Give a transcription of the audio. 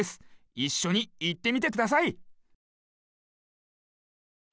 いっしょにいってみてください。